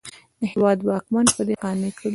د هېواد واکمن په دې قانع کړي.